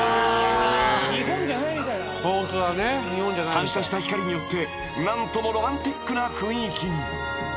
［反射した光によって何ともロマンチックな雰囲気に］